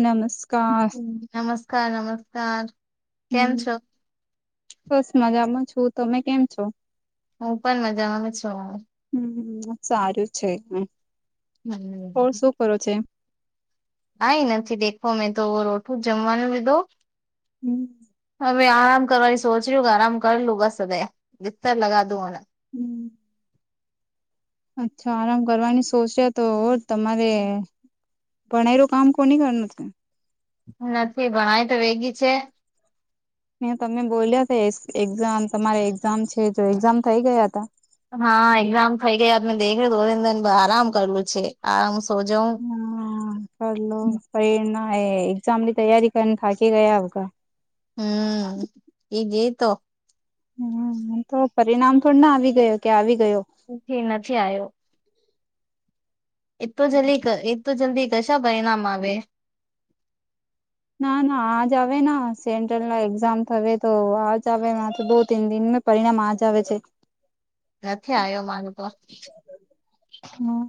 નમસ્કાર નમસ્કાર નમસ્કાર. કેમ હમ્મ છો બસ મજામાં છું તમે કેમ છો? હું પણ મજા માં છું. હમ્મ સારું છે હમ્મ ઓર શું કરો છો એમ કાઈ નથી દેખો મેં તો રોઠું જ જમવાનું લીધો હું. હવે આરામ કરવાની સોચ રહા આરામ કર લુંગા સુબે બીસ્તર લગાદું ને હું. અચ્છા આરામ કરવાની સોચ્યા તો તમારે ભણાઈ રુ કામ કોની કરનું. નથી ભણાય તોવેગી છે. તમે બોલ્યા ત્યાં એક્ઝામ તમારે એક્ઝામ છે તો એક્ઝામ થઇ ગ્યાતા. હા, એક્ઝામ થઇ ગયા આપને દેખ દોને આરામ કરેલું છે આરામ સોજાવુ હા કરલો પ્રેરણા હે એક્ઝામની તૈયારી કરીને થાકી ગયા હતા. હમ્મ એગે તો હું તો પરિણામ થોડી ને આવી ગયો કે આવી ગયો ઈ નથી આયો. એતો જલ્દી એતો જલ્દી કશા પરિણામ આવે નાના આજ આવેના સેન્ટ્રલના એક્ઝામ થાવે તો આજ આવે માતો દો તન દિન પરિણામ આજ આવે છે. નથી આયો મારે તો. હમ્મ.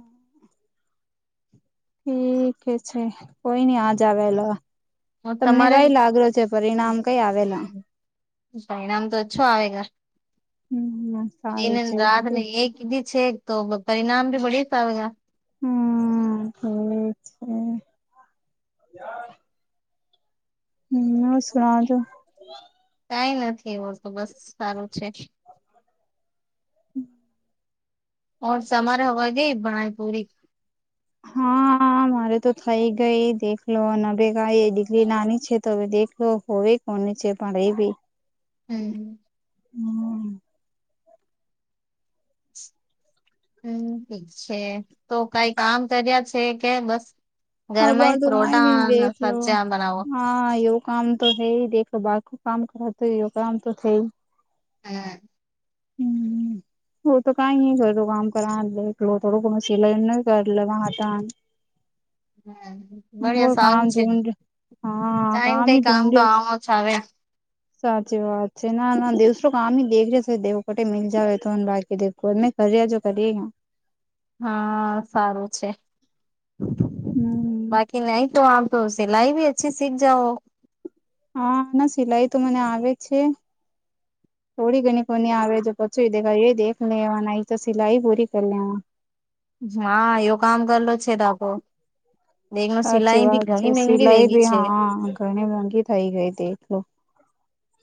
ઠીક છે કોઈ નઈ આજ આવેલો. તમને તમારે કંઈ લાગે છે પરિણામ કંઈ આવેલા. પરિણામ તો ઓછું આવેલા હમ સારું દિને છે બધું રાતને એકદી છે તો પરિણામ ભી બડીતો આવે રા હા ઠીક છે. હું [unintelligible] કંઈ નથી એવું તો બસ સારું છે. [inaudible] ઓ સમરે વધી આજ પણ પુરી હા. મારેતો થઈ ગઈ દેખલો નવે ગઈ એ ડિગ્રી નાની છે તો હવે દેખલો હોવે. ઓને છેે પણ એવી. હમ્મ. હમ્મ. હમ્મ છે તો કંઈ કામ કર્યા છે કે બસ અબાર ઘરમાંએ ફ્રોટા અને સબ્જિયા બનાવો. હાયો કામ તો હૈં, બાકો કામ કરતો યો કામતો છે. હા. હું. હોતો કંઈ ના કરું તો કામ કરેલો થોડો કો સિલાઈ ન કરરાતા હું [inaudible] હું ગામ ધોંડા હા ટાઈમ કઈ ગામી કામ તો ધુંંડી છે. આવો જ આવે સાચી વાત છે, નાના દસામી દર છે દેવકોટે મી જાવ એત બાકી દવો. કર્યા જો કરીએ ગઈ. હા સારું છે, હમ બાકી નઈ તો આમ. તો સિલાઈ ભી અચ્છી સીખ જાઓ. હા, ના સિલાઈતો મને આવે છે, થોડી ઘણી કોની આવે જો પછી દેખાય એ દેખ લેવા નોતો સિલાઈ પૂરી કરી લેવા. જ્યાં એવો કામ કરલો છે, આપડો સાચી વાત છે, મહેંગી સિલાઈ વેગી છે ભીહા ઘણી મોંઘી થઈ ગઈ હતી એટલું.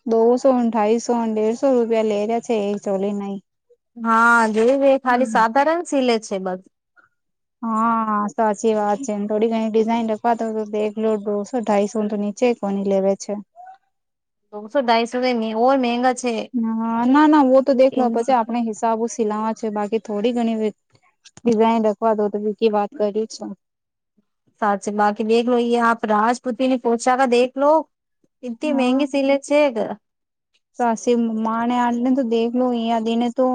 દોસો અઠાઈસોને દેરસો રૂપિયા લે રહ્યા છે, એ ચોલી નહીં. હા જોય ખાલી સાધારણ સિલે છે, બસ. હા. હા સાચી વાત છે ને થોડી ઘણી ડિઝાઇન લખવા તો દેખ લો દોસો ઢાઈસો તો નીચે કોની લેવે છે. દોસો ઢાઈસોર મંંગા હ ના ના ઓ તો દેખલો પછી આપણે હિસાબો સિલાવા છે બાકી થોડી ઘણી ડિઝાઈઇન રખવા દો તોીકી વાત કરી. સાચી બાકી દેખલો લો આપ રાજપુત્રી પછા ક દેખલો. થી હા મેંગી સીલે છેેગ. તો હસી માને આટને તો દેખલો લો યાદીને તો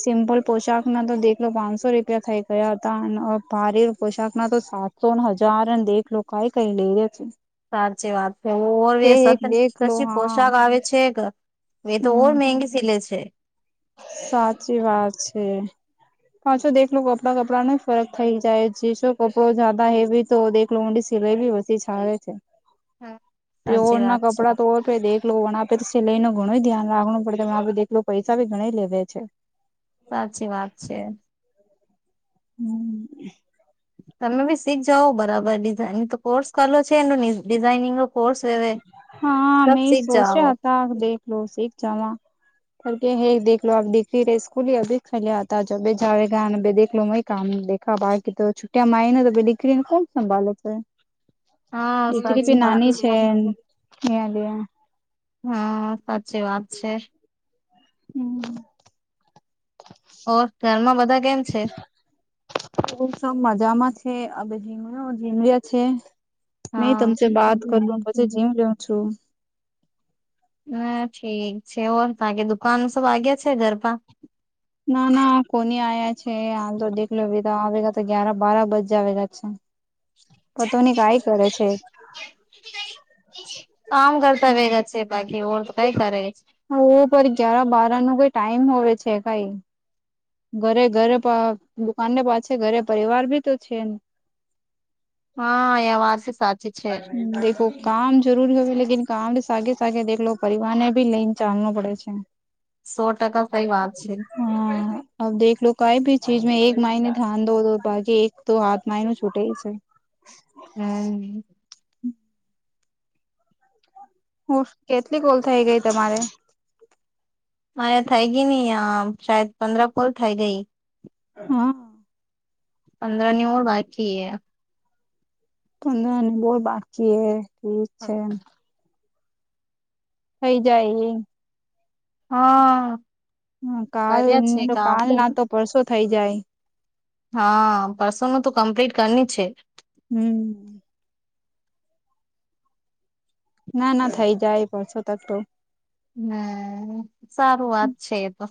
સિમ્પલ પોશાક ના તો દેલો પાંચસો રૂપિયા થઈ ગયા હતા અને ભારે પોશાકના તો સાત તો હજાર અને દેખ લોકો આએ કઈ લઈ રહ છે. સાચી વાત છેું ઓરવે કે એક સત દેખલો પછી હા પોશાક આવે છે. એ તો હમ મંંગી સીલેે છે. સાચી વાત છે. હાછો દે કપડાં કપડાં ન ફરક થઈ જાય જેો કપડો જદા હેવી તો લોંડી સિલાઈ બી પછી સારે છે પ્યોઓ સાચી વાત ના છે કપડા તો આપે દેખલો પણ આપે તો સેલાઈ નું ઘણું ધ્યાન રાખવું પડે આપેખ પૈસા ભી ઘણા લે છે. સાચી વાત છે. [inaudible] હમ. તમે બી શીખ જાાવ બરાબર ડિઝાઇન તો કોર્સ કરલો છે એ ડિઝઇનિંગ હા મેમે જાઓ સોચ્યા હતા દેખ લો શીખ જવા. કર કે હેેખલો લો આપ દેખતી ર સ્કૂલ અભી ખલ્યા આતા જો ભ જાવે ગા દેખલો લોં કામ કા બાકી તો છુટ્યામાંનો તો દીકરી ને કોણ સંભાળ છે. હા દીકરી સાચી ભી વાત નાની છે ત લ હા. સાચી વાત છે. હમ ઓ ઘરમાં બધા કેમ છે? ઓ સ મજામાં છે અ ઝીમ ઝીમ્યા છે. નહી હા તમ બાત કરું પછી જીવ લઉ છું. હ ઠીક છે ઓર ત કેે દુકાન સબ વાગ્યા છે ઘર પા? ના ના કોની આ્યા છે આાલ તો દેખલો બીધ આવેગ તો ગ્યાર બારા બજ આવેગા છે. પતોની કઈ કરે છે. કામ કરતા વેગા છે બાકી ઓ તો કઈ કરે. ઓ પણ ગ્યાર બાર નું કઈ ટાઈમ હોય છે કઈ ઘરે ઘરે દુકાન ને પાછ ઘરે પરિવાર ભી તો છે. હા એ વાત છે સાચી છે. દેખો કામ જરૂરી હોવે લકન કામ સાગે સાગે દલો પરિવાર ને ભી લઇન ચાલનો પડે છે. સો ટકા સઈ વાત છે. હા. અ દેખલો લો કઈ ભી ચીજ મે એક માઇને ધન દો દો બાકી એક તો હાથ માનો છૂટે હ છે. હમ્મ. હું કેટલી ઓલ થઇ ગઈ તમારે હા થઇ ગઈ નની આ સાદ પંદર પોલ થઈ ગઈ. હા. અંદ્ર નવળ બાકી [unintelligible] બાકી એ ઠીક છે. થઈ જાય એ. હા. હ કાલ કર્યા છે તો કામ કાલ ના તો પરસો થઈ જાય. હા પરસો નું તો કમ્પ્લીટ કરની છે. હમ્મ. ના ના થઈ જાય પરસો તક તો. હમ્મ સારું વાત છે એ તો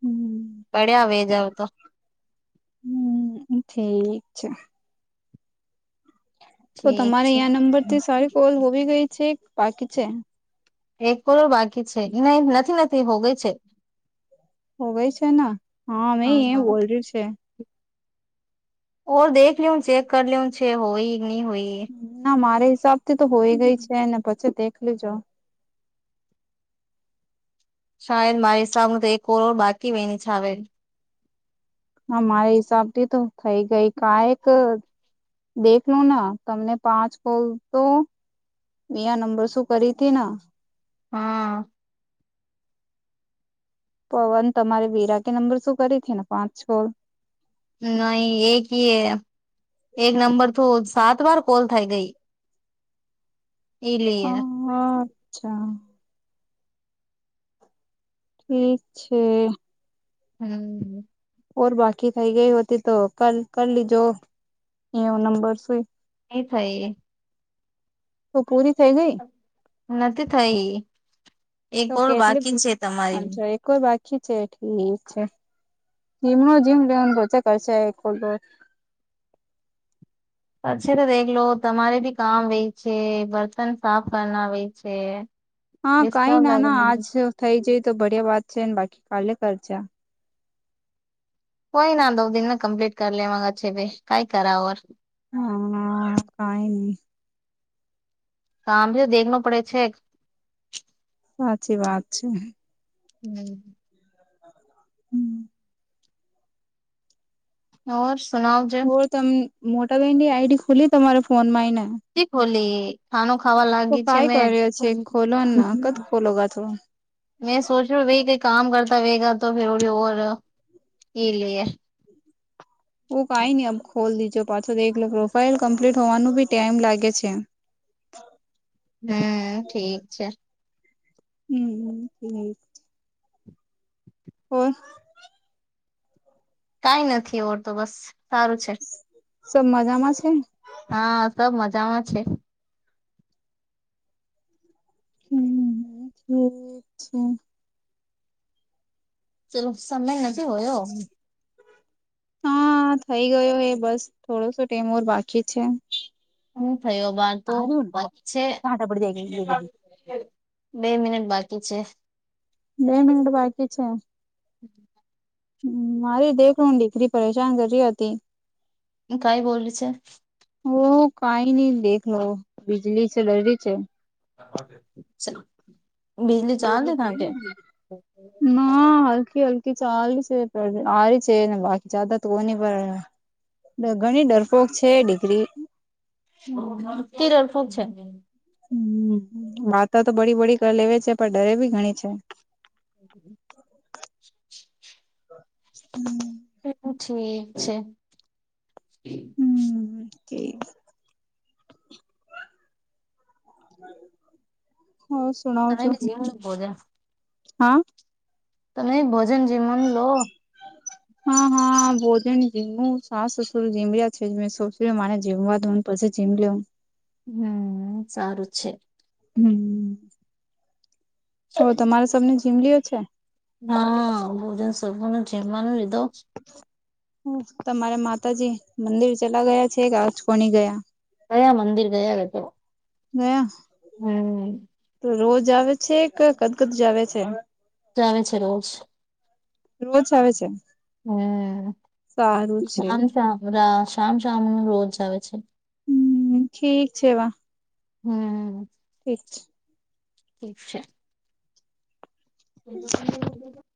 હમ પડ્યા વ જાવ તો. હમ્મ ઠીક છે. તો ઠીક તમારે છે તયાં નંબરથી સારી કોલ હોવી ગઈ છે બાકી છે. એક કરોડ બાકી છે નહી નથી નથી હોગઈ છે. હોવેય છે ને હા મેં એ બોલ્યું છે. ઓ દેખ લ હ ચેક કર લઉ છે હોય કે નહી હોય. ના મારા હિસાબથી તો હોય ગઈ છે ને પછી દેખ લજો શાયદ મારી સામે તો એક કરડ બાકી વની છ આવેે. મારા હિસાબ થી તો થઈ ગઈ કાયક. દેખલો ના તમને પાંચ કોલ તો વિયા નંબર શું કરી હતી ન હા. પવન તમારે વિરા કે નંબર શું કરી છે ને પાંચ છો? નહી એક. એક નંબર તો સાત વાર કોલ થાય ગઈ. એલીયે. હા અચ્છા. ઠીક છે. હમ્મ. ઓર બાકી થઈ ગઈ હો હતી તો કાલ કલ લીજો એવો નંબર સુઈ. એ થઈ. તો પૂરી થઈ ગઈ. નથી થઈ એક ઓર બાકી છે તમારી કોઈ બાકી છે ઠીક છે. જીમ ન જીમ લેવન બતે કરશે. પછી તો દેખ લો તમારે બી કામ વે છે બર્તન સાફ કરના વય છે. હા કઈ ના ના આજ થઈ જાય તો ભડિયા વાત છેને બાકી કાલે કરજા કોઈ ના દો દિન કમ્પ્લીટ કરી લે મગ છે ભાઈ કઈ કરાવર. હમ્મ કઈ નહી. તો આ ભી તો દેખ પડે છે. સાચી વાત છે. હમ હમ ઓર સુનાવ. જે વો તમ મોટાભાઈ ની આઈડી ખુલી તમારે ફોન માંય ને? તી ખોલી. ખાનો ખાવા લાગી છે કાઈ મેં. કર્યો છે ખોલો ના કદ ખોલોગા તો મેં સોચું ભાઈ કોઈ કામ કરતા વેગા તો ફર ઓર લે લિયે. ઓ કઈ નઈ અ ખોલ દીજો પાછો દખલો પ્રોફાઈલ કમ્પ્લીટ હોવાનું ભી ટાઈમ લાગે છે. હમ ઠીક છે. હમ ઠીક. ઓર? કાઈ નથી ઓર તો બસ સારું છે. સબ મજામાં છે? હા સબ મજામાં છે. હમ ઠીક છે. ચલો સમય નથી હોયો. હા થઈ ગયો એ બસ થોડોસો ટેમ ઓર બાકી છે. હું થયો બાતો આર્યન પતશે. કાંટા પડ જાયગ એ કભી [inaudible] બે મિનિટ બાકી છે. બે મિનિટ બાકી છે? હમ હમ મારી દેખું ન દીકરી પરેશાન કર રી હતી. કાઈ બોલી છે? ઓ કાઈ ની દેખલો બીજલી છે જરૂરી છે. [inaudible] બીજલી ચાલે તા કે [unintelligible] ના [inaudible] કી ચાલુ છે ને આ રહી છે ને બાકી જ્યાદા તો હો ની પર ડ ઘણી ડરપોક છે દીકરી. તે ડરપોક છે? હમ વાર્તા તો બડી બડી કર લેવે છે. પણ ડરે ભી ઘણી છે. [inaudible] હમ ઠીક છે. ઠીક. [unintelligible] તમે જેવ બોજા. હા? તમે ભોજન જમવાનું લો. હા હા બોજન જીમવું. સાસ સસુર જમ્યા છે મેં સોચ રહી હું મારે જીમવા દો ન. પછી જીમ લઉં. હમ સારું જ છે. હમ હો તમારે સબને જીમલીઓ છે? હા ભોજન સબ લિયો જીમવાનો લીધો. હ તમારે માતાજી મંદિર ચલા ગયા છે કે આજકો ની ગયા? ક્યા મંદિર ગયા એ તો. ગયા? તો રોજ આવે છે કે કદકદ જાવે છે? રોજ આવે છે રોજ. રોજ આવે છે? હમ સારું શ છે શામ રા શામ શામ રોજ આવે છે. હમ્મ ઠીક છે વા [unintelligible] ઠીક છે [unintelligible] [inaudible]